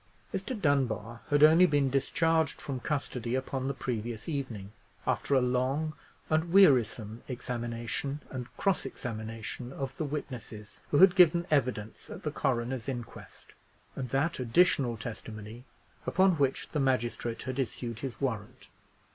Mr. Dunbar had only been discharged from custody upon the previous evening, after a long and wearisome examination and cross examination of the witnesses who had given evidence at the coroner's inquest, and that additional testimony upon which the magistrate had issued his warrant.